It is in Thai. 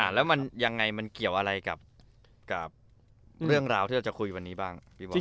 แล้วมันยังไงมันเกี่ยวอะไรกับเรื่องราวที่เราจะคุยวันนี้บ้างพี่บอล